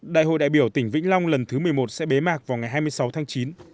đại hội đại biểu tỉnh vĩnh long lần thứ một mươi một sẽ bế mạc vào ngày hai mươi sáu tháng chín